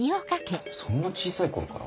そんな小さい頃から？